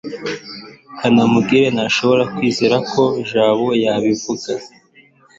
kanamugire ntashobora kwizera ko jabo yabivuze